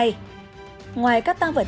còn cái tên này